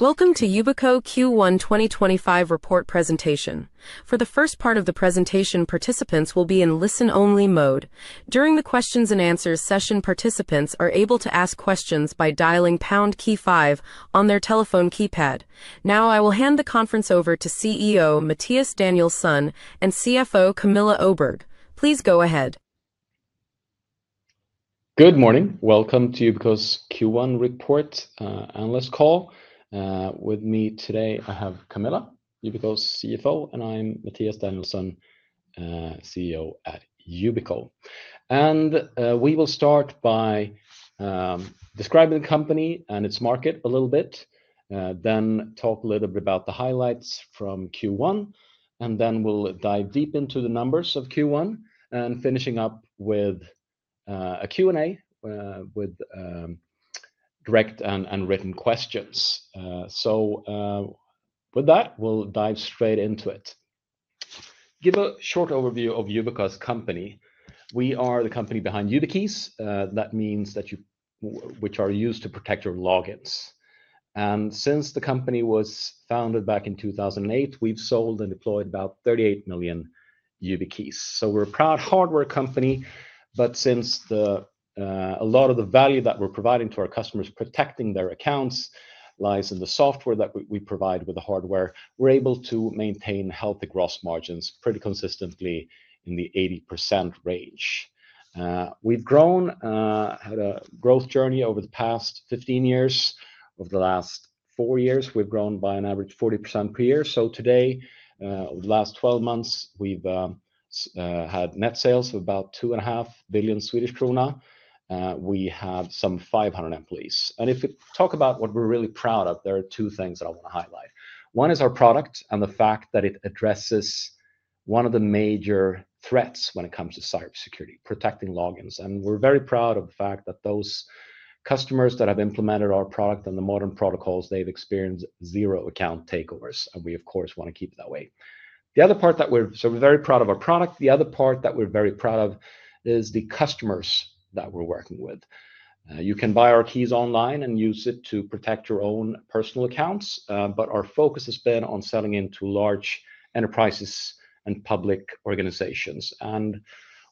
Welcome to Yubico Q1 2025 report presentation. For the first part of the presentation, participants will be in listen-only mode. During the Q&A session, participants are able to ask questions by dialing #Key5 on their telephone keypad. Now, I will hand the conference over to CEO Mattias Danielsson and CFO Camilla Öberg. Please go ahead. Good morning. Welcome to Yubico's Q1 report analyst call. With me today, I have Camilla, Yubico's CFO, and I'm Mattias Danielsson, CEO at Yubico. We will start by describing the company and its market a little bit, then talk a little bit about the highlights from Q1, and then we'll dive deep into the numbers of Q1, finishing up with a Q&A with direct and written questions. With that, we'll dive straight into it. Give a short overview of Yubico's company. We are the company behind YubiKeys; that means that you which are used to protect your logins. Since the company was founded back in 2008, we've sold and deployed about 38 million YubiKeys. We're a proud hardware company, but since a lot of the value that we're providing to our customers protecting their accounts lies in the software that we provide with the hardware, we're able to maintain healthy gross margins pretty consistently in the 80% range. We've grown, had a growth journey over the past 15 years. Over the last four years, we've grown by an average of 40% per year. Today, over the last 12 months, we've had net sales of about 2.5 billion Swedish krona. We have some 500 employees. If we talk about what we're really proud of, there are two things that I want to highlight. One is our product and the fact that it addresses one of the major threats when it comes to cybersecurity: protecting logins. We are very proud of the fact that those customers that have implemented our product and the modern protocols have experienced zero account takeovers. We, of course, want to keep it that way. We are very proud of our product. The other part that we are very proud of is the customers that we are working with. You can buy our keys online and use it to protect your own personal accounts, but our focus has been on selling into large enterprises and public organizations.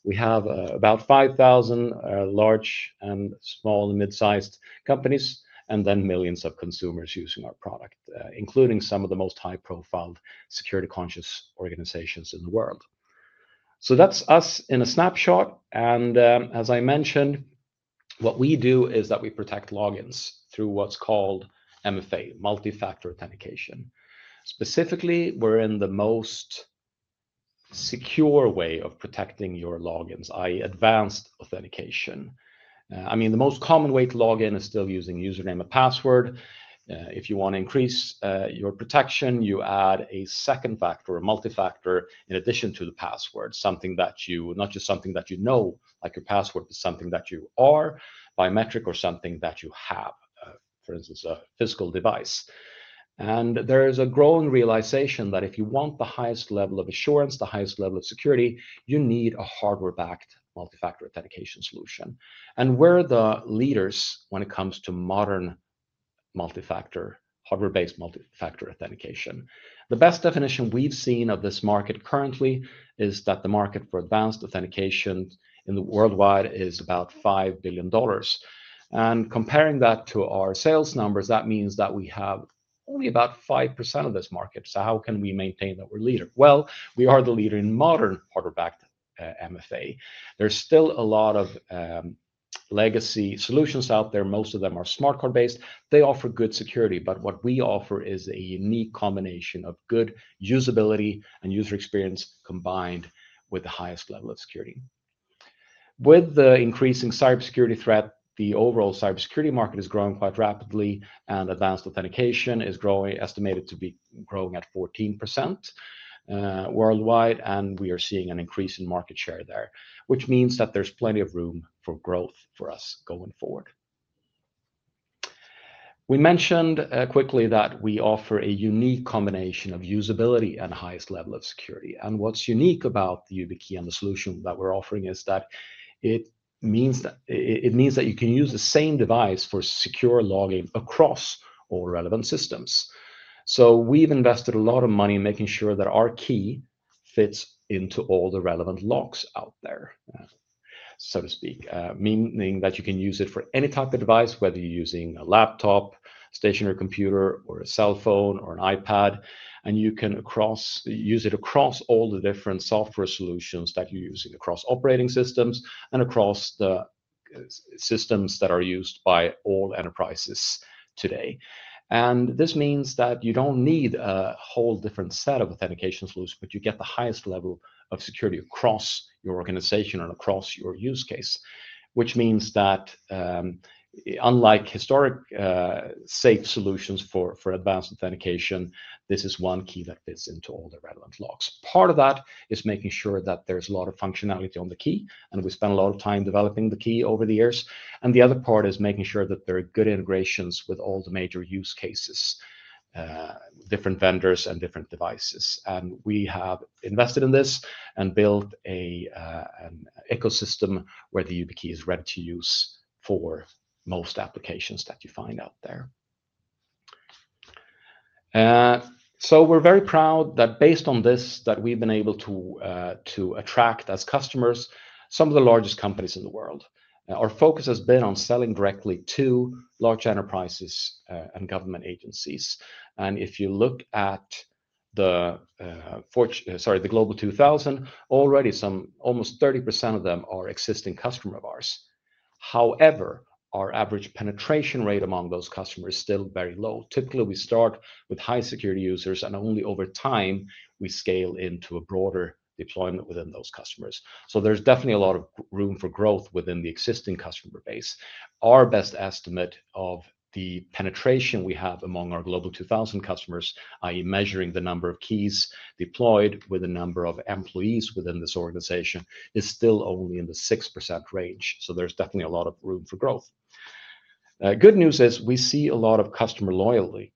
We have about 5,000 large and small and mid-sized companies, and then millions of consumers using our product, including some of the most high-profile, security-conscious organizations in the world. That is us in a snapshot. As I mentioned, what we do is that we protect logins through what is called MFA, multi-factor authentication. Specifically, we're in the most secure way of protecting your logins, i.e., advanced authentication. I mean, the most common way to log in is still using username and password. If you want to increase your protection, you add a second factor, a multi-factor, in addition to the password, something that you not just something that you know, like your password, but something that you are, biometric, or something that you have, for instance, a physical device. There is a growing realization that if you want the highest level of assurance, the highest level of security, you need a hardware-backed multi-factor authentication solution. We're the leaders when it comes to modern multi-factor hardware-based multi-factor authentication. The best definition we've seen of this market currently is that the market for advanced authentication worldwide is about $5 billion. Comparing that to our sales numbers, that means that we have only about 5% of this market. How can we maintain that we're a leader? We are the leader in modern hardware-backed MFA. There is still a lot of legacy solutions out there. Most of them are smart card-based. They offer good security, but what we offer is a unique combination of good usability and user experience combined with the highest level of security. With the increasing cybersecurity threat, the overall cybersecurity market is growing quite rapidly, and advanced authentication is growing, estimated to be growing at 14% worldwide. We are seeing an increase in market share there, which means that there is plenty of room for growth for us going forward. We mentioned quickly that we offer a unique combination of usability and highest level of security. What's unique about YubiKey and the solution that we're offering is that it means that you can use the same device for secure logging across all relevant systems. We've invested a lot of money in making sure that our key fits into all the relevant locks out there, so to speak, meaning that you can use it for any type of device, whether you're using a laptop, stationary computer, or a cell phone or an iPad, and you can use it across all the different software solutions that you're using across operating systems and across the systems that are used by all enterprises today. This means that you don't need a whole different set of authentication solutions, but you get the highest level of security across your organization and across your use case, which means that unlike historic safe solutions for advanced authentication, this is one key that fits into all the relevant locks. Part of that is making sure that there's a lot of functionality on the key, and we spent a lot of time developing the key over the years. The other part is making sure that there are good integrations with all the major use cases, different vendors, and different devices. We have invested in this and built an ecosystem where the YubiKey is ready to use for most applications that you find out there. We're very proud that based on this, we've been able to attract, as customers, some of the largest companies in the world. Our focus has been on selling directly to large enterprises and government agencies. If you look at the, sorry, the Global 2000, already almost 30% of them are existing customers of ours. However, our average penetration rate among those customers is still very low. Typically, we start with high-security users, and only over time we scale into a broader deployment within those customers. There's definitely a lot of room for growth within the existing customer base. Our best estimate of the penetration we have among our Global 2000 customers, i.e., measuring the number of keys deployed with the number of employees within this organization, is still only in the 6% range. There's definitely a lot of room for growth. Good news is we see a lot of customer loyalty.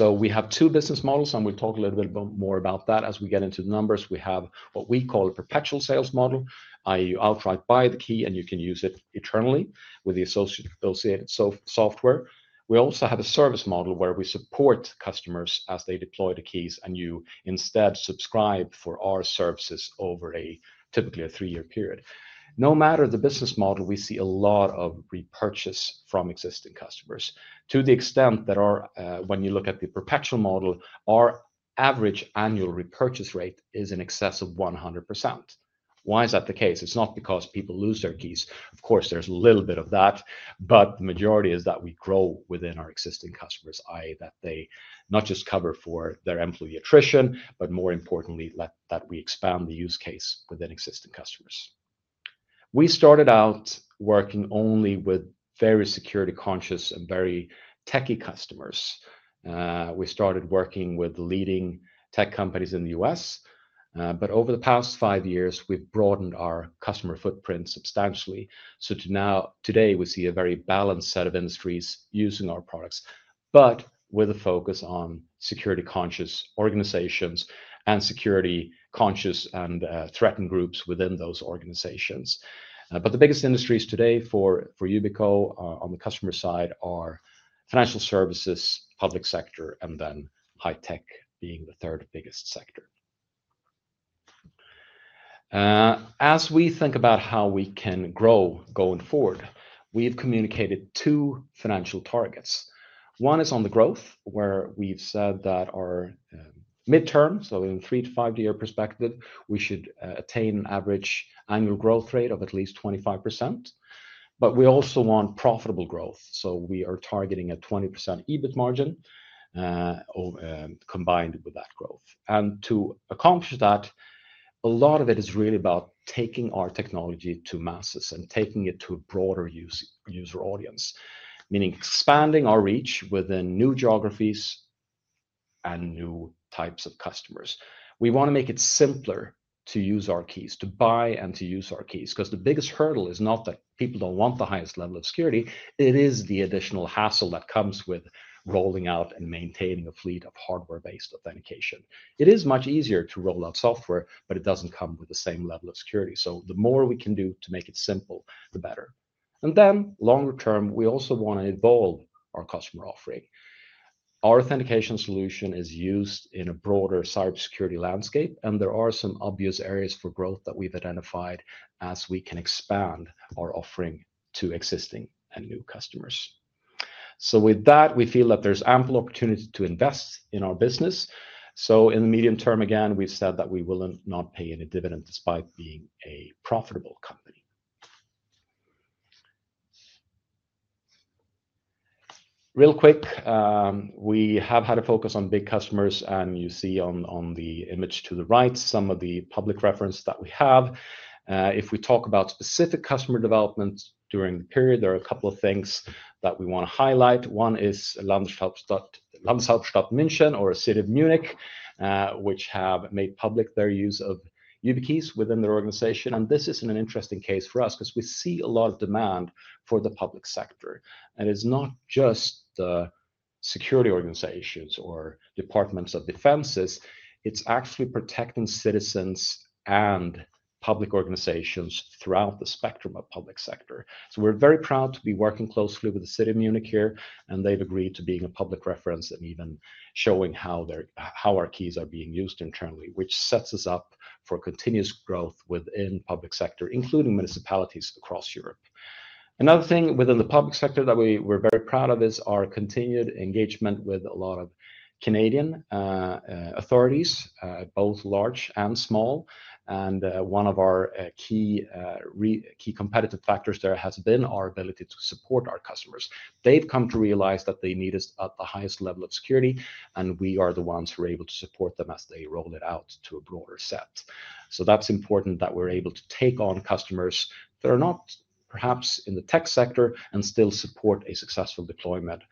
We have two business models, and we'll talk a little bit more about that as we get into the numbers. We have what we call a perpetual sales model, i.e., you outright buy the key and you can use it eternally with the associated software. We also have a service model where we support customers as they deploy the keys, and you instead subscribe for our services over typically a three-year period. No matter the business model, we see a lot of repurchase from existing customers to the extent that when you look at the perpetual model, our average annual repurchase rate is in excess of 100%. Why is that the case? It's not because people lose their keys. Of course, there's a little bit of that, but the majority is that we grow within our existing customers, i.e., that they not just cover for their employee attrition, but more importantly, that we expand the use case within existing customers. We started out working only with very security-conscious and very techie customers. We started working with the leading tech companies in the U.S., but over the past five years, we've broadened our customer footprint substantially. Today, we see a very balanced set of industries using our products, but with a focus on security-conscious organizations and security-conscious and threatened groups within those organizations. The biggest industries today for Yubico on the customer side are financial services, public sector, and then high-tech being the third biggest sector. As we think about how we can grow going forward, we've communicated two financial targets. One is on the growth, where we've said that our midterm, so in a three-five-year perspective, we should attain an average annual growth rate of at least 25%. We also want profitable growth, so we are targeting a 20% EBIT margin combined with that growth. To accomplish that, a lot of it is really about taking our technology to masses and taking it to a broader user audience, meaning expanding our reach within new geographies and new types of customers. We want to make it simpler to use our keys, to buy and to use our keys, because the biggest hurdle is not that people don't want the highest level of security; it is the additional hassle that comes with rolling out and maintaining a fleet of hardware-based authentication. It is much easier to roll out software, but it does not come with the same level of security. The more we can do to make it simple, the better. In the longer term, we also want to evolve our customer offering. Our authentication solution is used in a broader cybersecurity landscape, and there are some obvious areas for growth that we have identified as we can expand our offering to existing and new customers. With that, we feel that there is ample opportunity to invest in our business. In the medium term, again, we have said that we will not pay any dividend despite being a profitable company. Real quick, we have had a focus on big customers, and you see on the image to the right some of the public reference that we have. If we talk about specific customer development during the period, there are a couple of things that we want to highlight. One is the City of Munich, which have made public their use of YubiKeys within their organization. This is an interesting case for us because we see a lot of demand for the public sector. It is not just the security organizations or departments of defenses, it is actually protecting citizens and public organizations throughout the spectrum of public sector. We are very proud to be working closely with the City of Munich here, and they have agreed to being a public reference and even showing how our keys are being used internally, which sets us up for continuous growth within public sector, including municipalities across Europe. Another thing within the public sector that we're very proud of is our continued engagement with a lot of Canadian authorities, both large and small. One of our key competitive factors there has been our ability to support our customers. They've come to realize that they need us at the highest level of security, and we are the ones who are able to support them as they roll it out to a broader set. That's important that we're able to take on customers that are not perhaps in the tech sector and still support a successful deployment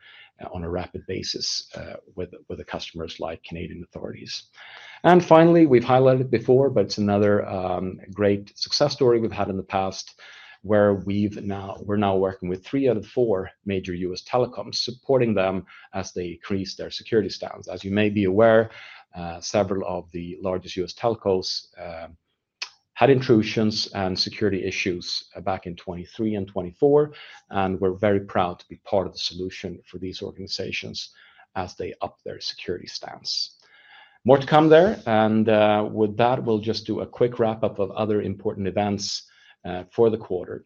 on a rapid basis with customers like Canadian authorities. Finally, we've highlighted it before, but it's another great success story we've had in the past, where we're now working with three out of four major U.S. telecoms, supporting them as they increase their security stands. As you may be aware, several of the largest U.S. telcos had intrusions and security issues back in 2023 and 2024, and we're very proud to be part of the solution for these organizations as they up their security stance. More to come there. With that, we'll just do a quick wrap-up of other important events for the quarter.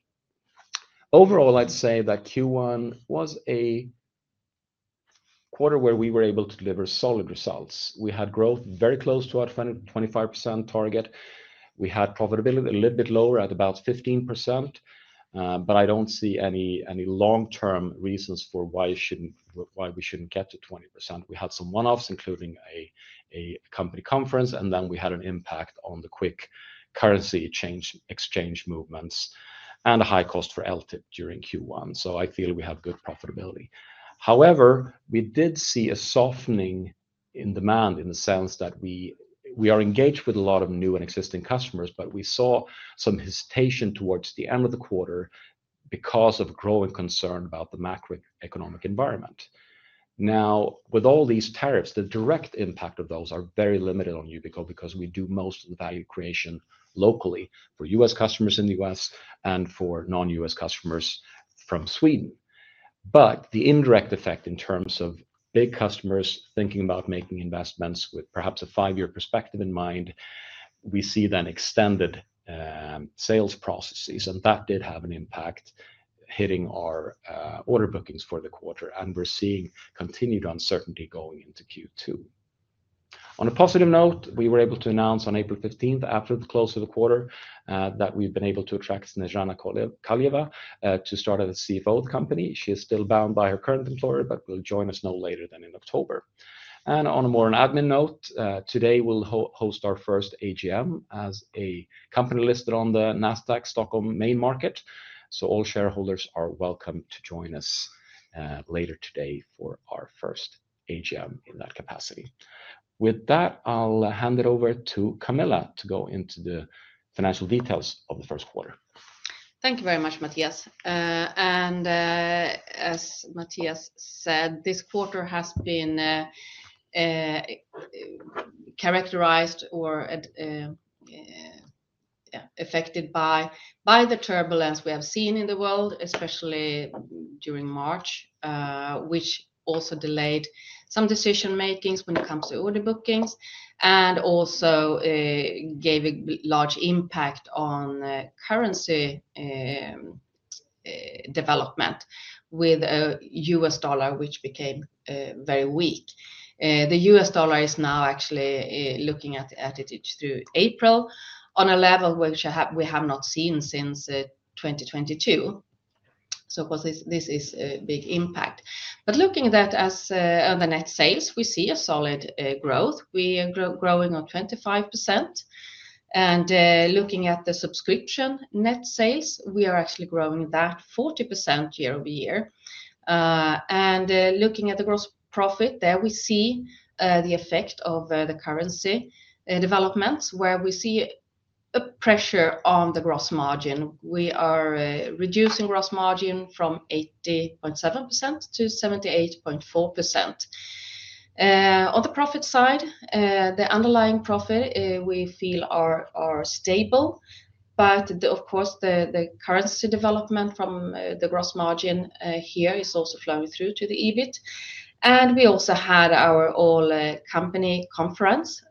Overall, I'd say that Q1 was a quarter where we were able to deliver solid results. We had growth very close to our 25% target. We had profitability a little bit lower at about 15%, but I don't see any long-term reasons for why we shouldn't get to 20%. We had some one-offs, including a company conference, and then we had an impact on the quick currency exchange movements and a high cost for LTIP during Q1. I feel we have good profitability. However, we did see a softening in demand in the sense that we are engaged with a lot of new and existing customers, but we saw some hesitation towards the end of the quarter because of growing concern about the macroeconomic environment. Now, with all these tariffs, the direct impact of those is very limited on Yubico because we do most of the value creation locally for U.S. customers in the U.S. and for non-U.S. customers from Sweden. The indirect effect in terms of big customers thinking about making investments with perhaps a five-year perspective in mind, we see then extended sales processes, and that did have an impact hitting our order bookings for the quarter, and we're seeing continued uncertainty going into Q2. On a positive note, we were able to announce on April 15th, after the close of the quarter, that we've been able to attract Snezhana Kaleva to start as CFO of the company. She is still bound by her current employer, but will join us no later than in October. On a more admin note, today we'll host our first AGM as a company listed on the Nasdaq Stockholm main market. All shareholders are welcome to join us later today for our first AGM in that capacity. With that, I'll hand it over to Camilla to go into the financial details of the first quarter. Thank you very much, Mattias. As Mattias said, this quarter has been characterized or affected by the turbulence we have seen in the world, especially during March, which also delayed some decision-making when it comes to order bookings and also gave a large impact on currency development with the U.S. dollar, which became very weak. The U.S. dollar is now actually looking at it through April on a level which we have not seen since 2022. This is a big impact. Looking at that as the net sales, we see a solid growth. We are growing at 25%. Looking at the subscription net sales, we are actually growing that 40% year-over-year. Looking at the gross profit there, we see the effect of the currency developments, where we see a pressure on the gross margin. We are reducing gross margin from 80.7%-78.4%. On the profit side, the underlying profit, we feel, are stable. Of course, the currency development from the gross margin here is also flowing through to the EBIT. We also had our all-company conference,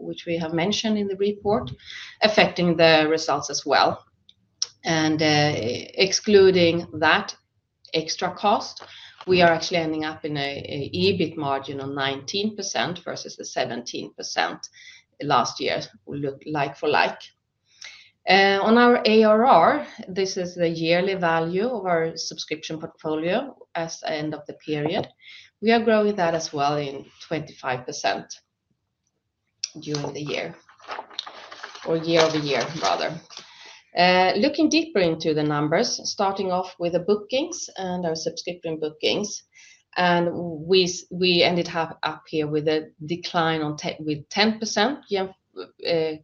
which we have mentioned in the report, affecting the results as well. Excluding that extra cost, we are actually ending up in an EBIT margin of 19% versus the 17% last year looked like for like. On our ARR, this is the yearly value of our subscription portfolio at the end of the period. We are growing that as well in 25% during the year or year-over-year, rather. Looking deeper into the numbers, starting off with the bookings and our subscription bookings, we ended up here with a decline of 10%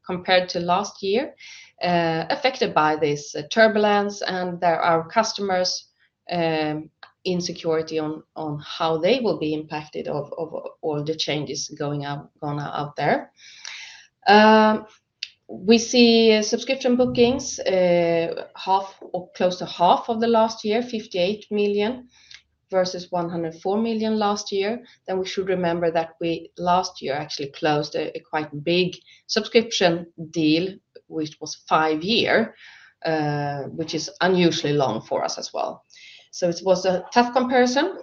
compared to last year, affected by this turbulence and our customers' insecurity on how they will be impacted of all the changes going out there. We see subscription bookings close to half of last year, 58 million versus 104 million last year. We should remember that we last year actually closed a quite big subscription deal, which was five years, which is unusually long for us as well. It was a tough comparison.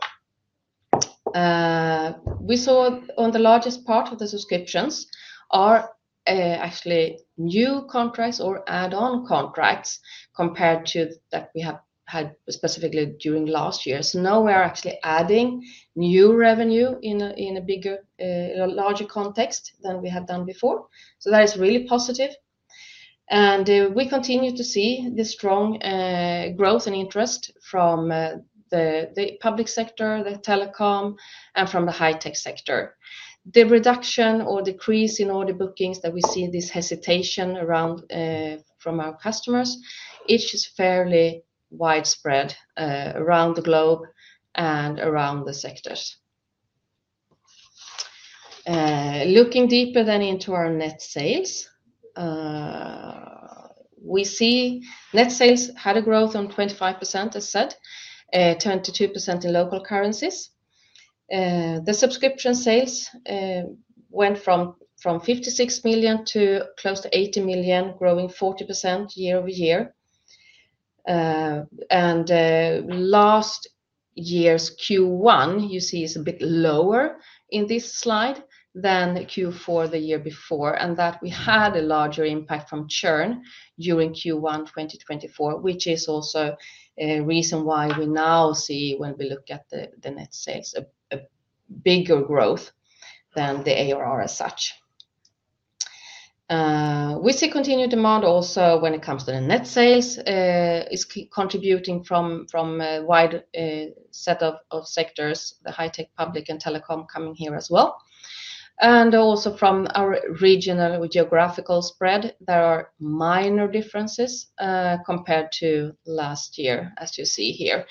We saw the largest part of the subscriptions are actually new contracts or add-on contracts compared to what we had specifically during last year. Now we are actually adding new revenue in a larger context than we had done before. That is really positive. We continue to see the strong growth and interest from the public sector, the telecom, and from the high-tech sector. The reduction or decrease in order bookings that we see, this hesitation around from our customers, is fairly widespread around the globe and around the sectors. Looking deeper into our net sales, we see net sales had a growth of 25%, as said, 22% in local currencies. The subscription sales went from 56 million to close to 80 million, growing 40% year-over-year. Last year's Q1, you see, is a bit lower in this slide than Q4 the year before, and that we had a larger impact from churn during Q1 2024, which is also a reason why we now see, when we look at the net sales, a bigger growth than the ARR as such. We see continued demand also when it comes to the net sales, contributing from a wide set of sectors, the high-tech public and telecom coming here as well. Also from our regional geographical spread, there are minor differences compared to last year, as you see here,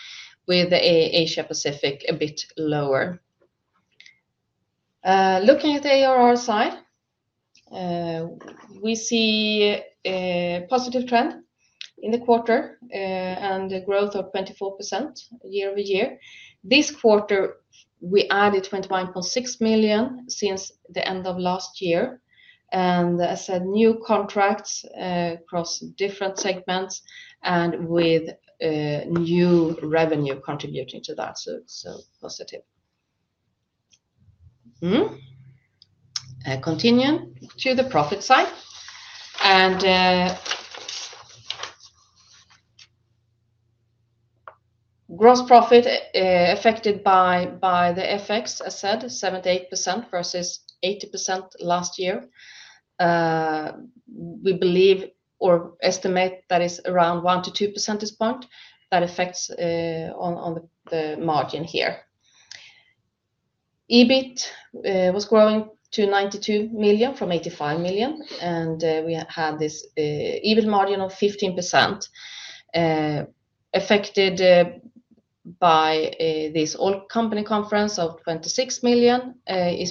with Asia-Pacific a bit lower. Looking at the ARR side, we see a positive trend in the quarter and a growth of 24% year-over-year. This quarter, we added 21.6 million since the end of last year. As I said, new contracts across different segments and with new revenue contributing to that, so positive. Continuing to the profit side. Gross profit affected by the FX, as I said, 78% versus 80% last year. We believe or estimate that it is around 1-2 percentage points that affects on the margin here. EBIT was growing to 92 million from 85 million, and we had this EBIT margin of 15% affected by this all-company conference of 26 million,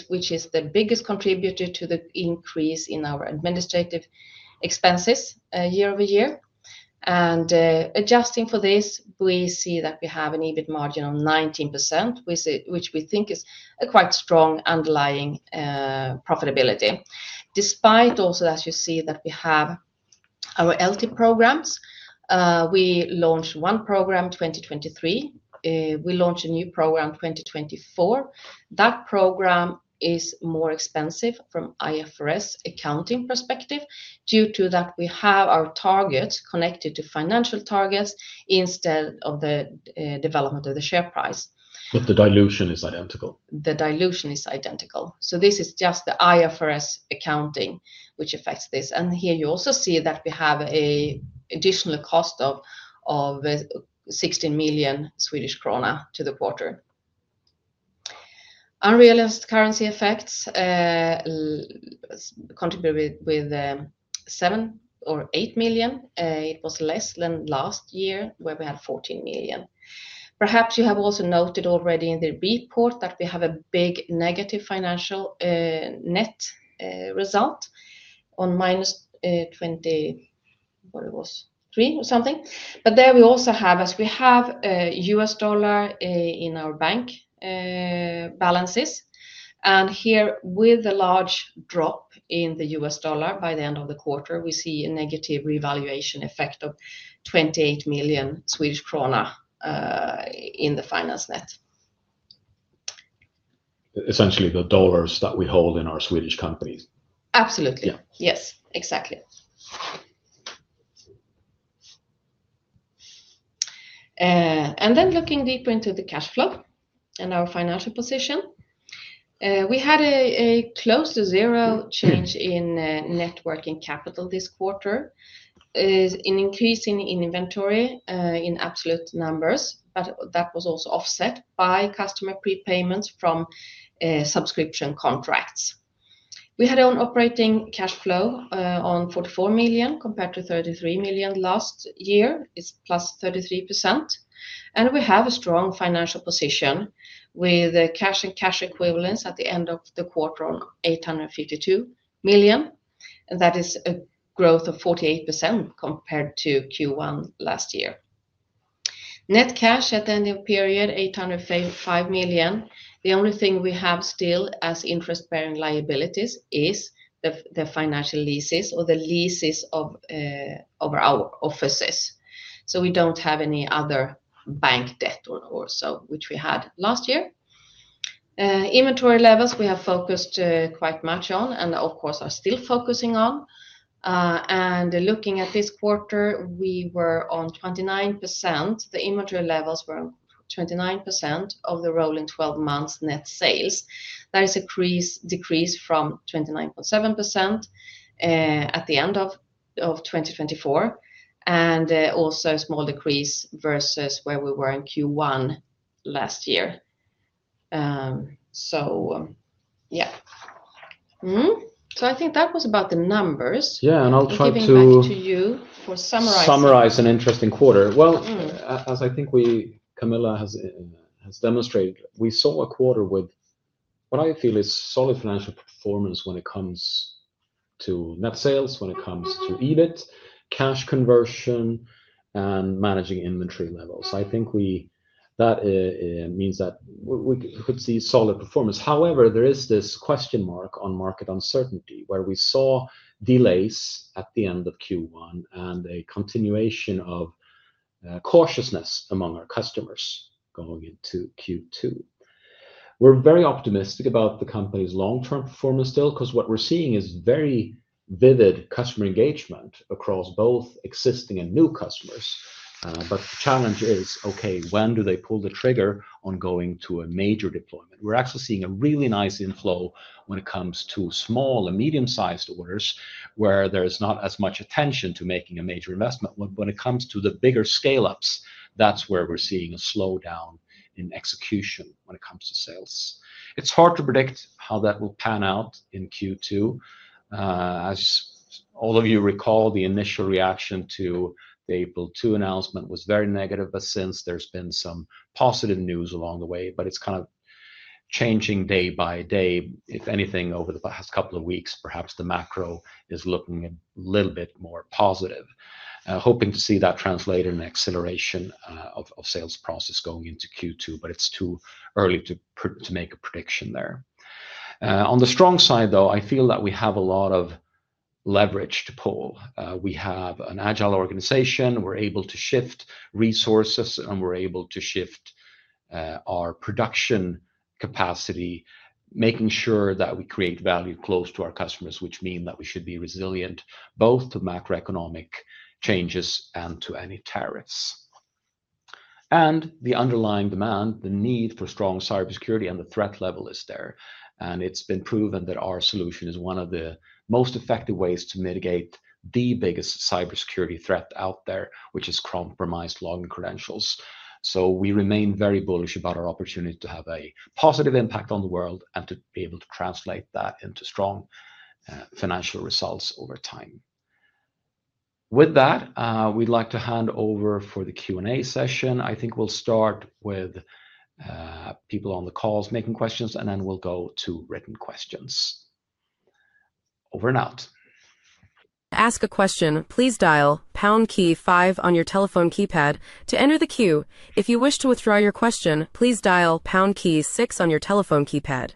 which is the biggest contributor to the increase in our administrative expenses year-over-year. Adjusting for this, we see that we have an EBIT margin of 19%, which we think is a quite strong underlying profitability. Despite also, as you see, that we have our LTIP programs, we launched one program in 2023. We launched a new program in 2024. That program is more expensive from IFRS accounting perspective due to that we have our targets connected to financial targets instead of the development of the share price. The dilution is identical. The dilution is identical. This is just the IFRS accounting which affects this. Here you also see that we have an additional cost of 16 million Swedish krona to the quarter. Unrealized currency effects contributed with 7 or 8 million. It was less than last year where we had 14 million. Perhaps you have also noted already in the report that we have a big negative financial net result on minus 20, what it was, 3 or something. There we also have, as we have U.S. dollar in our bank balances. Here with the large drop in the U.S. dollar by the end of the quarter, we see a negative revaluation effect of 28 million Swedish krona in the finance net. Essentially the dollars that we hold in our Swedish companies. Absolutely. Yes, exactly. Looking deeper into the cash flow and our financial position, we had a close to zero change in net working capital this quarter, an increase in inventory in absolute numbers, but that was also offset by customer prepayments from subscription contracts. We had own operating cash flow of 44 million compared to 33 million last year. It is plus 33%. We have a strong financial position with cash and cash equivalents at the end of the quarter of 852 million. That is a growth of 48% compared to Q1 last year. Net cash at the end of the period, 855 million. The only thing we have still as interest-bearing liabilities is the financial leases or the leases of our offices. We do not have any other bank debt or so which we had last year. Inventory levels we have focused quite much on and of course are still focusing on. Looking at this quarter, we were on 29%. The inventory levels were 29% of the rolling 12 months net sales. That is a decrease from 29.7% at the end of 2024 and also a small decrease versus where we were in Q1 last year. Yeah, I think that was about the numbers. I'll try to give it back to you for summarizing. Summarize an interesting quarter. As I think Camilla has demonstrated, we saw a quarter with what I feel is solid financial performance when it comes to net sales, when it comes to EBIT, cash conversion, and managing inventory levels. I think that means that we could see solid performance. However, there is this question mark on market uncertainty where we saw delays at the end of Q1 and a continuation of cautiousness among our customers going into Q2. We're very optimistic about the company's long-term performance still because what we're seeing is very vivid customer engagement across both existing and new customers. The challenge is, okay, when do they pull the trigger on going to a major deployment? We're actually seeing a really nice inflow when it comes to small and medium-sized orders where there is not as much attention to making a major investment. When it comes to the bigger scale-ups, that's where we're seeing a slowdown in execution when it comes to sales. It's hard to predict how that will pan out in Q2. As all of you recall, the initial reaction to the April 2 announcement was very negative, but since there's been some positive news along the way, but it's kind of changing day by day. If anything, over the past couple of weeks, perhaps the macro is looking a little bit more positive. Hoping to see that translate in an acceleration of sales process going into Q2, but it's too early to make a prediction there. On the strong side, though, I feel that we have a lot of leverage to pull. We have an agile organization. We're able to shift resources, and we're able to shift our production capacity, making sure that we create value close to our customers, which means that we should be resilient both to macroeconomic changes and to any tariffs. The underlying demand, the need for strong cybersecurity and the threat level is there. It has been proven that our solution is one of the most effective ways to mitigate the biggest cybersecurity threat out there, which is compromised login credentials. We remain very bullish about our opportunity to have a positive impact on the world and to be able to translate that into strong financial results over time. With that, we would like to hand over for the Q&A session. I think we will start with people on the calls making questions, and then we will go to written questions. Over and out. To ask a question, please dial pound key five on your telephone keypad to enter the queue. If you wish to withdraw your question, please dial pound key six on your telephone keypad.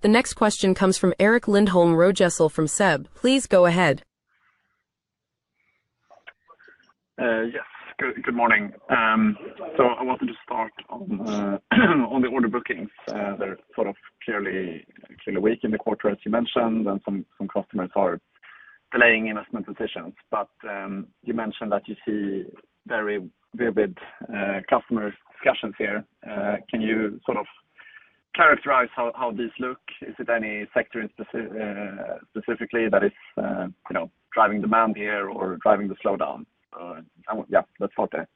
The next question comes from Erik Lindholm-Röjestål from SEB. Please go ahead. Yes, good morning. I wanted to start on the order bookings. They're sort of clearly weak in the quarter, as you mentioned, and some customers are delaying investment decisions. You mentioned that you see very vivid customer discussions here. Can you sort of characterize how these look? Is it any sector specifically that is driving demand here or driving the slowdown? Let's start there.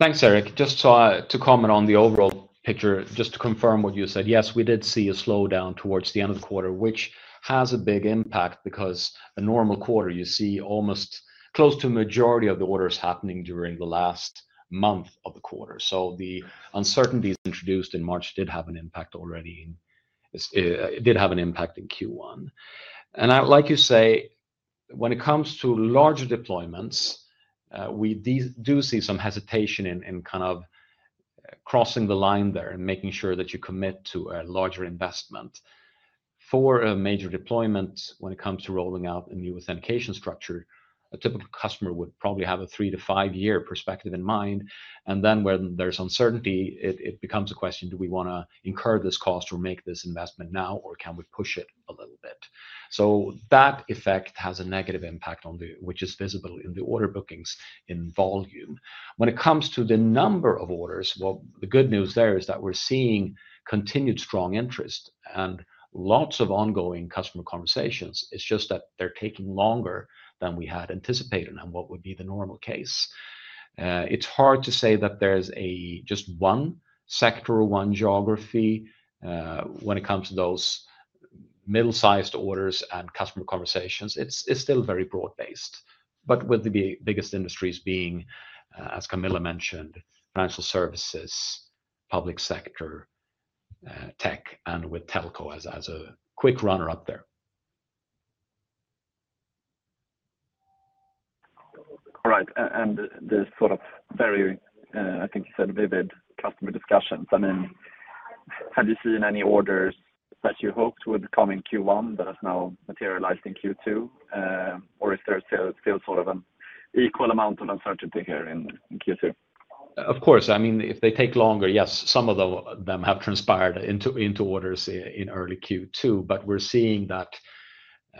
Thanks, Erik. Just to comment on the overall picture, just to confirm what you said, yes, we did see a slowdown towards the end of the quarter, which has a big impact because a normal quarter, you see almost close to a majority of the orders happening during the last month of the quarter. The uncertainties introduced in March did have an impact already in Q1. Like you say, when it comes to larger deployments, we do see some hesitation in kind of crossing the line there and making sure that you commit to a larger investment. For a major deployment, when it comes to rolling out a new authentication structure, a typical customer would probably have a three-five-year perspective in mind. When there is uncertainty, it becomes a question, do we want to incur this cost or make this investment now, or can we push it a little bit? That effect has a negative impact, which is visible in the order bookings in volume. When it comes to the number of orders, the good news there is that we are seeing continued strong interest and lots of ongoing customer conversations. It is just that they are taking longer than we had anticipated and what would be the normal case. It's hard to say that there's just one sector or one geography when it comes to those middle-sized orders and customer conversations. It's still very broad-based. With the biggest industries being, as Camilla mentioned, financial services, public sector, tech, and with telco as a quick runner up there. All right. There's sort of very, I think you said, vivid customer discussions. I mean, have you seen any orders that you hoped would come in Q1 that have now materialized in Q2? Or is there still sort of an equal amount of uncertainty here in Q2? Of course. I mean, if they take longer, yes, some of them have transpired into orders in early Q2, but we're seeing that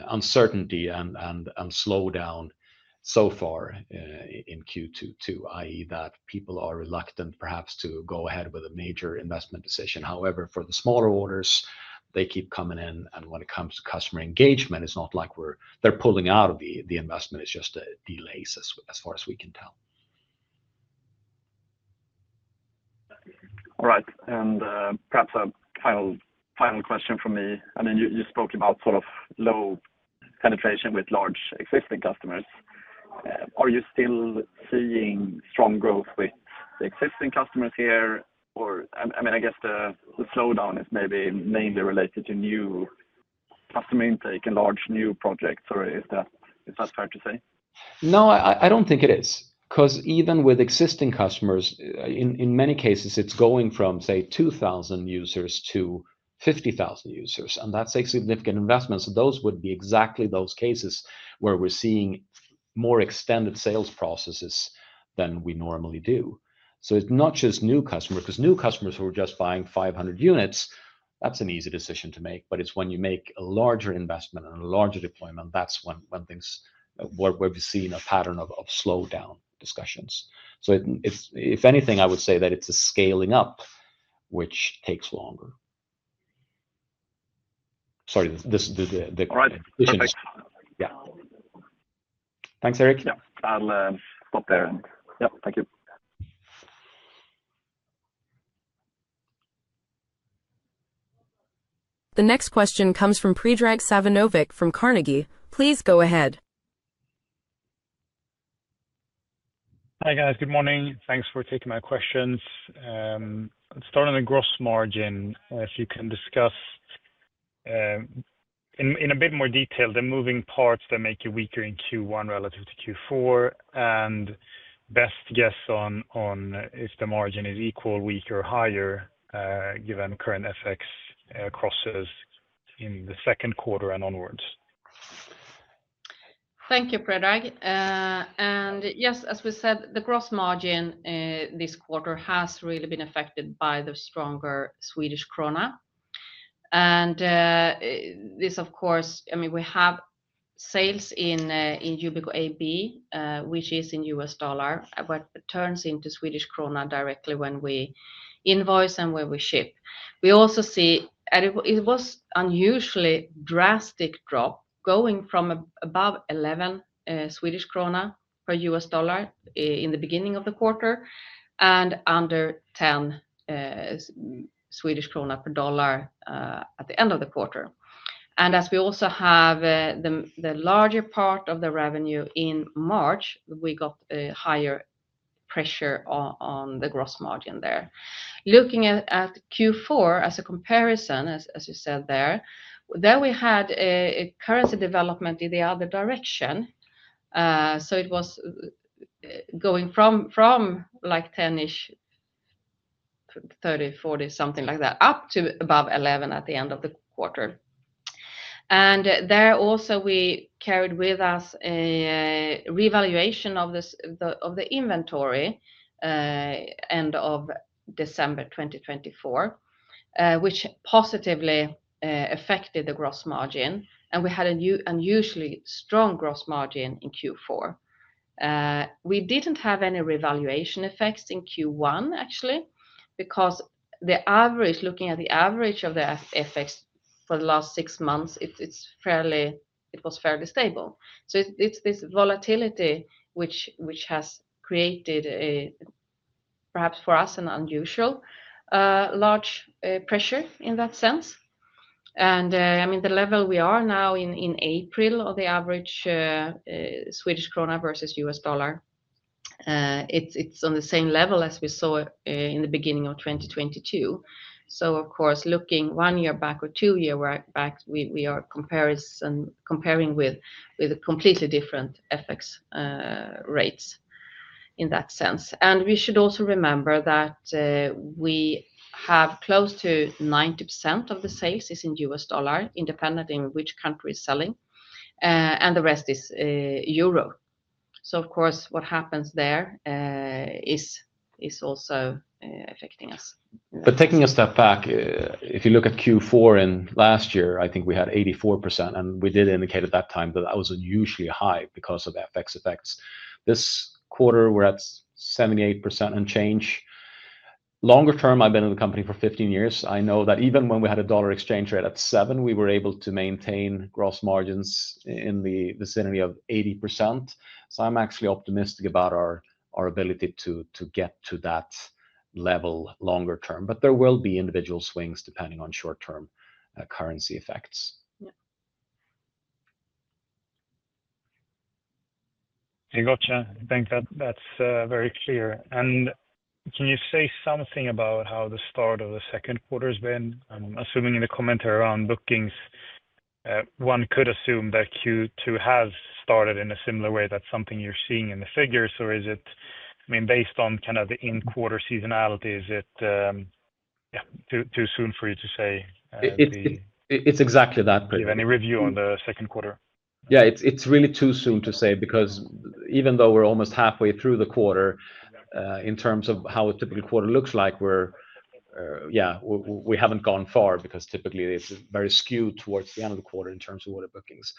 uncertainty and slowdown so far in Q2 too, i.e., that people are reluctant perhaps to go ahead with a major investment decision. However, for the smaller orders, they keep coming in, and when it comes to customer engagement, it's not like they're pulling out of the investment. It's just delays as far as we can tell. All right. And perhaps a final question from me. I mean, you spoke about sort of low penetration with large existing customers. Are you still seeing strong growth with the existing customers here? Or I mean, I guess the slowdown is maybe mainly related to new customer intake and large new projects. Or is that fair to say? No, I don't think it is. Because even with existing customers, in many cases, it's going from, say, 2,000 users to 50,000 users. And that's a significant investment. So those would be exactly those cases where we're seeing more extended sales processes than we normally do. So it's not just new customers. Because new customers who are just buying 500 units, that's an easy decision to make. It's when you make a larger investment and a larger deployment, that's when things where we've seen a pattern of slowdown discussions. If anything, I would say that it's a scaling up, which takes longer. Sorry, the question. Yeah. Thanks, Erik. I'll stop there. Yep, thank you. The next question comes from Predrag Savinovic from Carnegie. Please go ahead. Hi guys, good morning. Thanks for taking my questions. Starting on the gross margin, if you can discuss in a bit more detail the moving parts that make you weaker in Q1 relative to Q4 and best guess on if the margin is equal, weaker, or higher given current FX crosses in the second quarter and onwards. Thank you, Predrag. Yes, as we said, the gross margin this quarter has really been affected by the stronger Swedish krona. This, of course, I mean, we have sales in Yubico AB, which is in U.S. dollar, but it turns into Swedish krona directly when we invoice and when we ship. We also see it was an unusually drastic drop going from above 11 Swedish krona per $1 in the beginning of the quarter and under 10 Swedish krona per $1 at the end of the quarter. As we also have the larger part of the revenue in March, we got a higher pressure on the gross margin there. Looking at Q4 as a comparison, as you said there, there we had a currency development in the other direction. It was going from like 10-ish, 30, 40, something like that, up to above 11 at the end of the quarter. There also, we carried with us a revaluation of the inventory end of December 2024, which positively affected the gross margin. We had an unusually strong gross margin in Q4. We did not have any revaluation effects in Q1, actually, because the average, looking at the average of the FX for the last six months, it was fairly stable. It is this volatility which has created perhaps for us an unusual large pressure in that sense. I mean, the level we are now in April of the average Swedish krona versus U.S. dollar, it is on the same level as we saw in the beginning of 2022. Of course, looking one year back or two years back, we are comparing with completely different FX rates in that sense. We should also remember that we have close to 90% of the sales is in U.S. dollar, independent in which country is selling, and the rest is euro. What happens there is also affecting us. Taking a step back, if you look at Q4 and last year, I think we had 84%, and we did indicate at that time that that was unusually high because of FX effects. This quarter, we're at 78% and change. Longer term, I've been in the company for 15 years. I know that even when we had a dollar exchange rate at 7, we were able to maintain gross margins in the vicinity of 80%. I'm actually optimistic about our ability to get to that level longer term. There will be individual swings depending on short-term currency effects. Yeah. Gotcha. I think that's very clear. Can you say something about how the start of the second quarter has been? I'm assuming in the commentary around bookings, one could assume that Q2 has started in a similar way. That's something you're seeing in the figures, or is it, I mean, based on kind of the in-quarter seasonality, is it, yeah, too soon for you to say? It's exactly that. Do you have any review on the second quarter? Yeah, it's really too soon to say because even though we're almost halfway through the quarter, in terms of how a typical quarter looks like, we haven't gone far because typically it's very skewed towards the end of the quarter in terms of order bookings.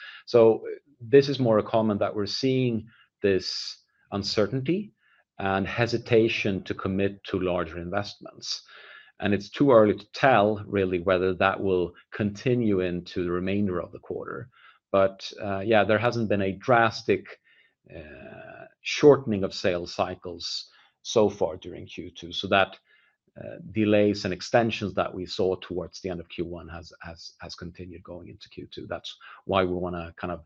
This is more a comment that we're seeing this uncertainty and hesitation to commit to larger investments. It's too early to tell really whether that will continue into the remainder of the quarter. There hasn't been a drastic shortening of sales cycles so far during Q2. The delays and extensions that we saw towards the end of Q1 have continued going into Q2. That's why we want to kind of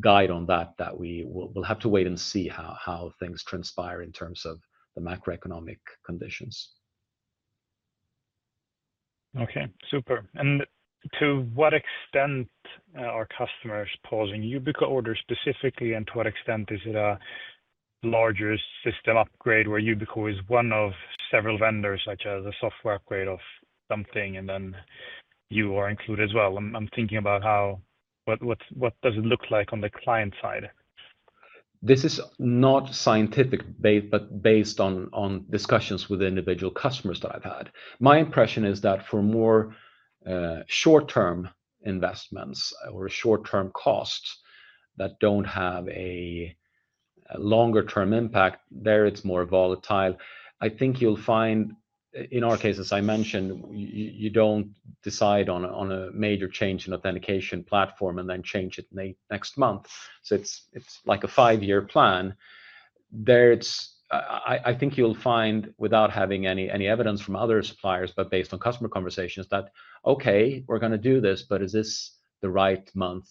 guide on that, that we will have to wait and see how things transpire in terms of the macroeconomic conditions. Okay, super. To what extent are customers pausing Yubico orders specifically, and to what extent is it a larger system upgrade where Yubico is one of several vendors, such as a software upgrade of something, and then you are included as well? I'm thinking about how, what does it look like on the client side? This is not scientific, but based on discussions with individual customers that I've had. My impression is that for more short-term investments or short-term costs that don't have a longer-term impact, there it's more volatile. I think you'll find, in our case, as I mentioned, you don't decide on a major change in authentication platform and then change it next month. It's like a five-year plan. There, it's, I think you'll find, without having any evidence from other suppliers, but based on customer conversations, that, okay, we're going to do this, but is this the right month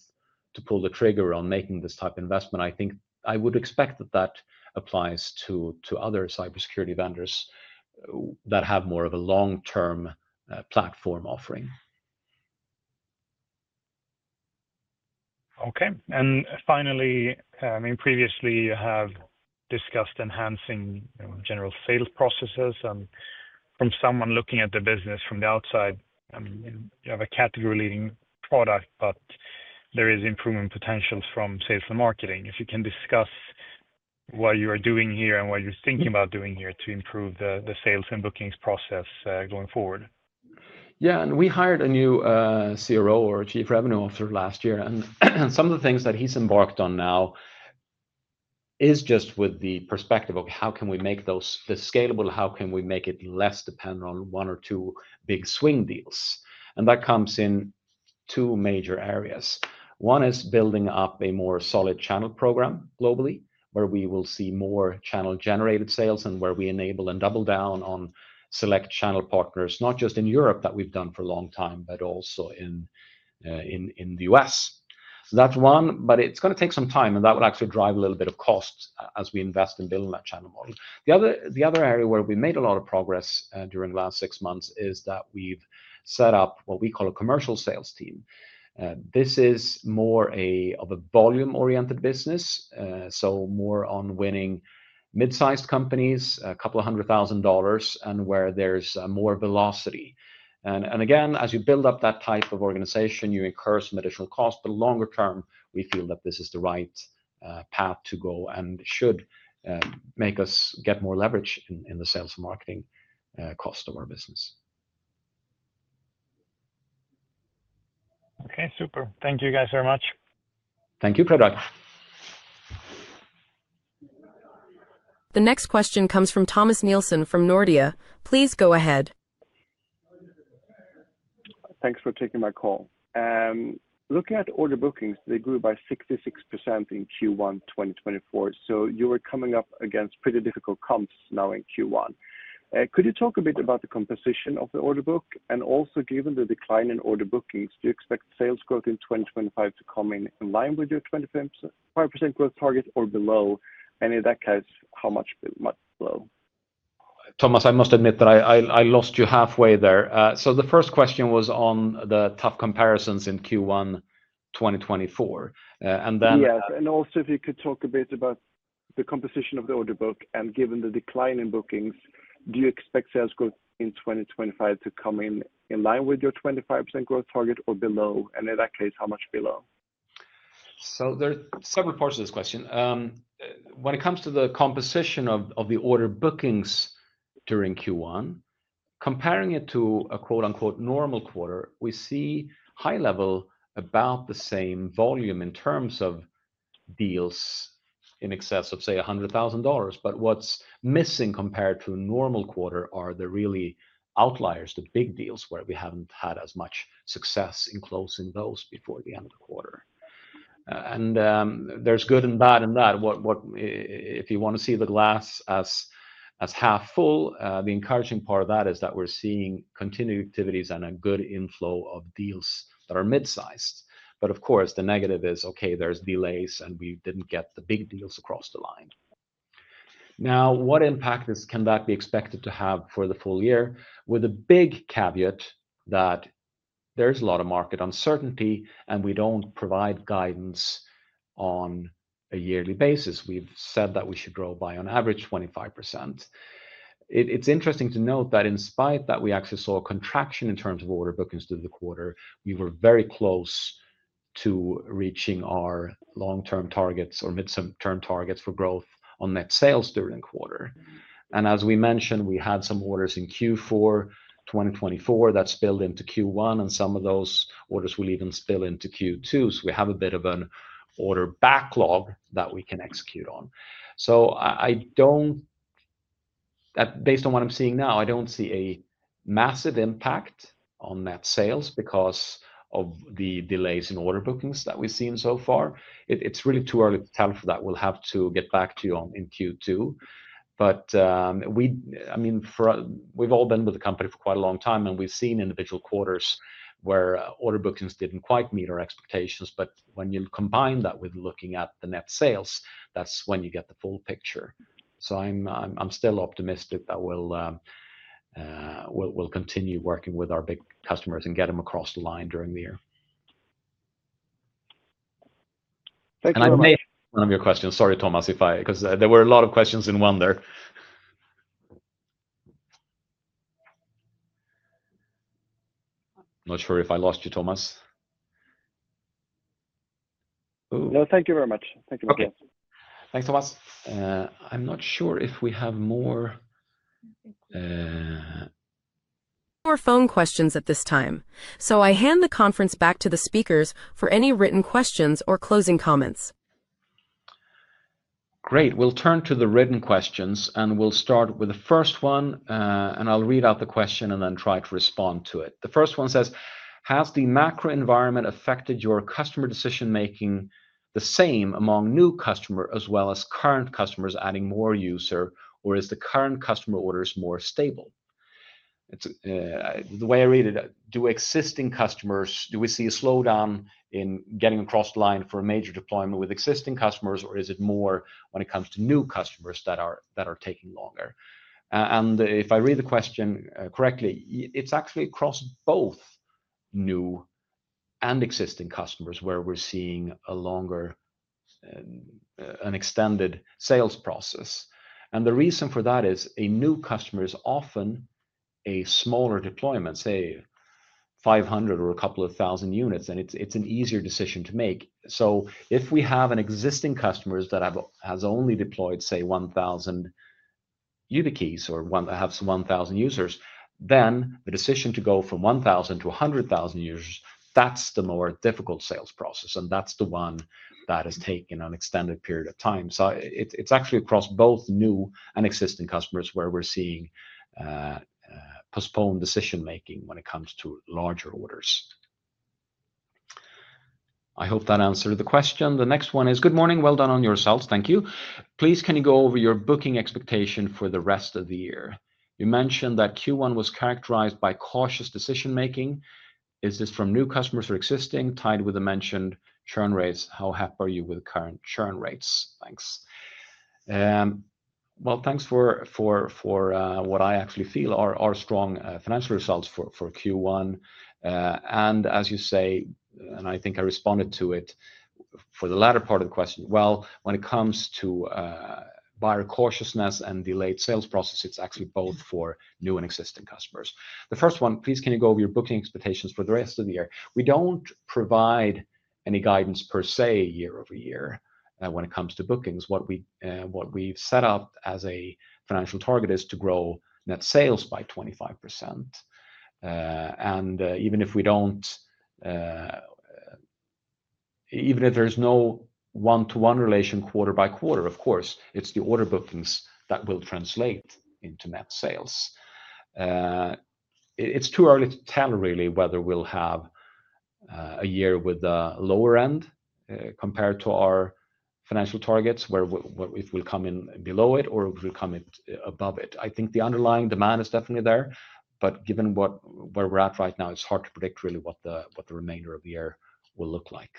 to pull the trigger on making this type of investment? I think I would expect that that applies to other cybersecurity vendors that have more of a long-term platform offering. Okay. Finally, I mean, previously you have discussed enhancing general sales processes. And from someone looking at the business from the outside, you have a category-leading product, but there is improvement potential from sales and marketing. If you can discuss what you are doing here and what you're thinking about doing here to improve the sales and bookings process going forward. Yeah, and we hired a new CRO or Chief Revenue Officer last year. Some of the things that he's embarked on now are just with the perspective of how can we make those scalable, how can we make it less dependent on one or two big swing deals. That comes in two major areas. One is building up a more solid channel program globally, where we will see more channel-generated sales and where we enable and double down on select channel partners, not just in Europe that we've done for a long time, but also in the U.S. That's one, but it's going to take some time, and that will actually drive a little bit of cost as we invest in building that channel model. The other area where we made a lot of progress during the last six months is that we've set up what we call a commercial sales team. This is more of a volume-oriented business, so more on winning mid-sized companies, a couple of hundred thousand dollars, and where there is more velocity. Again, as you build up that type of organization, you incur some additional cost, but longer term, we feel that this is the right path to go and should make us get more leverage in the sales and marketing cost of our business. Okay, super. Thank you guys very much. Thank you, Predrag. The next question comes from Thomas Nielsen from Nordea. Please go ahead. Thanks for taking my call. Looking at order bookings, they grew by 66% in Q1 2024. You were coming up against pretty difficult comps now in Q1. Could you talk a bit about the composition of the order book? Also, given the decline in order bookings, do you expect sales growth in 2025 to come in line with your 25% growth target or below? In that case, how much below? Thomas, I must admit that I lost you halfway there. The first question was on the tough comparisons in Q1 2024. If you could talk a bit about the composition of the order book. Given the decline in bookings, do you expect sales growth in 2025 to come in line with your 25% growth target or below? In that case, how much below? There are several parts of this question. When it comes to the composition of the order bookings during Q1, comparing it to a quote-unquote normal quarter, we see at a high level about the same volume in terms of deals in excess of, say, $100,000. What is missing compared to a normal quarter are the really outliers, the big deals where we have not had as much success in closing those before the end of the quarter. There is good and bad in that. If you want to see the glass as half full, the encouraging part of that is that we are seeing continued activities and a good inflow of deals that are mid-sized. Of course, the negative is, okay, there are delays and we did not get the big deals across the line. Now, what impact can that be expected to have for the full year? With a big caveat that there is a lot of market uncertainty and we do not provide guidance on a yearly basis. We have said that we should grow by, on average, 25%. It's interesting to note that in spite of that, we actually saw a contraction in terms of order bookings through the quarter. We were very close to reaching our long-term targets or mid-term targets for growth on net sales during the quarter. As we mentioned, we had some orders in Q4 2024 that spilled into Q1, and some of those orders will even spill into Q2. We have a bit of an order backlog that we can execute on. Based on what I'm seeing now, I don't see a massive impact on net sales because of the delays in order bookings that we've seen so far. It's really too early to tell for that. We'll have to get back to you in Q2. I mean, we've all been with the company for quite a long time, and we've seen individual quarters where order bookings didn't quite meet our expectations. When you combine that with looking at the net sales, that's when you get the full picture. I'm still optimistic that we'll continue working with our big customers and get them across the line during the year. Thank you. I may. One of your questions. Sorry, Thomas, because there were a lot of questions in one there. Not sure if I lost you, Thomas. No, thank you very much. Thank you very much. Okay. Thanks, Thomas. I'm not sure if we have more. No more phone questions at this time. I hand the conference back to the speakers for any written questions or closing comments. Great. We'll turn to the written questions, and we'll start with the first one. I'll read out the question and then try to respond to it. The first one says, "Has the macro environment affected your customer decision-making the same among new customers as well as current customers adding more users, or is the current customer orders more stable?" The way I read it, do existing customers, do we see a slowdown in getting across the line for a major deployment with existing customers, or is it more when it comes to new customers that are taking longer? If I read the question correctly, it's actually across both new and existing customers where we're seeing a longer, an extended sales process. The reason for that is a new customer is often a smaller deployment, say, 500 or a couple of thousand units, and it is an easier decision to make. If we have an existing customer that has only deployed, say, 1,000 YubiKeys or has 1,000 users, the decision to go from 1,000 to 100,000 users, that is the more difficult sales process, and that is the one that is taking an extended period of time. It is actually across both new and existing customers where we are seeing postponed decision-making when it comes to larger orders. I hope that answered the question. The next one is, "Good morning. Well done on your sales. Thank you. Please, can you go over your booking expectation for the rest of the year? You mentioned that Q1 was characterized by cautious decision-making. Is this from new customers or existing tied with the mentioned churn rates? How happy are you with current churn rates? Thanks. Thanks for what I actually feel are strong financial results for Q1. As you say, and I think I responded to it for the latter part of the question, when it comes to buyer cautiousness and delayed sales process, it's actually both for new and existing customers. The first one, please, can you go over your booking expectations for the rest of the year? We do not provide any guidance per se year-over-year when it comes to bookings. What we have set up as a financial target is to grow net sales by 25%. Even if we do not, even if there is no one-to-one relation quarter by quarter, of course, it is the order bookings that will translate into net sales. It's too early to tell really whether we'll have a year with a lower end compared to our financial targets where it will come in below it or it will come above it. I think the underlying demand is definitely there, but given where we're at right now, it's hard to predict really what the remainder of the year will look like.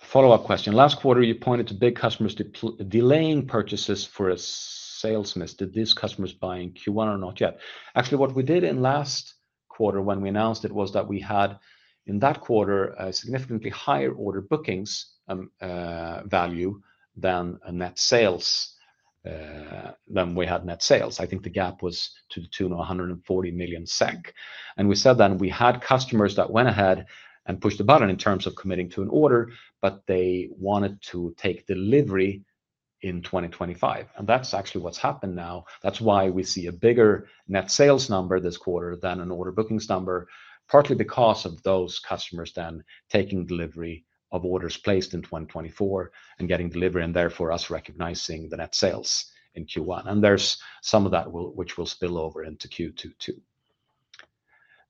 Follow-up question. Last quarter, you pointed to big customers delaying purchases for a sales miss. Did these customers buy in Q1 or not yet? Actually, what we did in last quarter when we announced it was that we had in that quarter a significantly higher order bookings value than net sales than we had net sales. I think the gap was to the tune of 140 million SEK. We said then we had customers that went ahead and pushed the button in terms of committing to an order, but they wanted to take delivery in 2025. That is actually what has happened now. That is why we see a bigger net sales number this quarter than an order bookings number, partly because of those customers then taking delivery of orders placed in 2024 and getting delivery and therefore us recognizing the net sales in Q1. There is some of that which will spill over into Q2 too.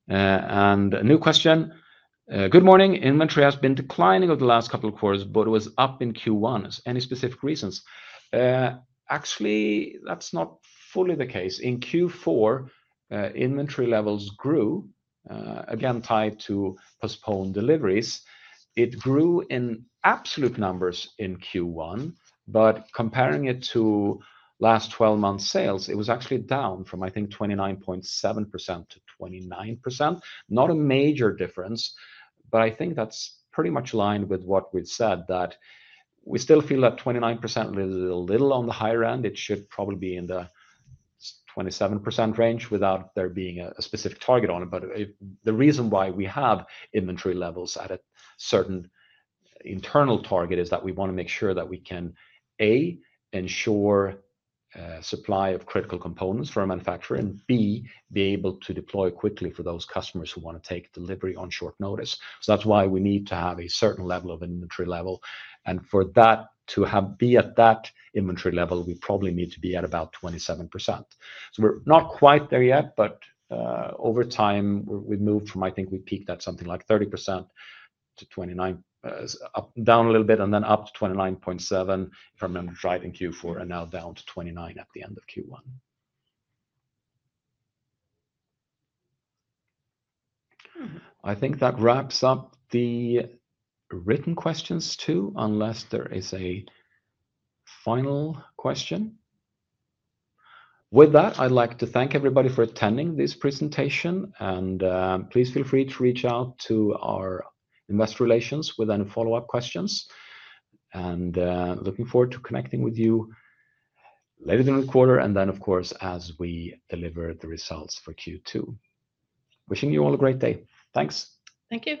A new question. "Good morning. Inventory has been declining over the last couple of quarters, but it was up in Q1. Any specific reasons?" Actually, that is not fully the case. In Q4, inventory levels grew, again, tied to postponed deliveries. It grew in absolute numbers in Q1, but comparing it to last 12 months' sales, it was actually down from, I think, 29.7% to 29%. Not a major difference, but I think that's pretty much aligned with what we've said, that we still feel that 29% is a little on the higher end. It should probably be in the 27% range without there being a specific target on it. The reason why we have inventory levels at a certain internal target is that we want to make sure that we can, A, ensure supply of critical components for a manufacturer, and B, be able to deploy quickly for those customers who want to take delivery on short notice. That's why we need to have a certain level of inventory level. For that to be at that inventory level, we probably need to be at about 27%. We're not quite there yet, but over time, we've moved from, I think we peaked at something like 30%-29%, down a little bit, and then up to 29.7, if I remember right in Q4, and now down to 29 at the end of Q1. I think that wraps up the written questions too, unless there is a final question. With that, I'd like to thank everybody for attending this presentation. Please feel free to reach out to our investor relations with any follow-up questions. Looking forward to connecting with you later in the quarter and then, of course, as we deliver the results for Q2. Wishing you all a great day. Thanks. Thank you.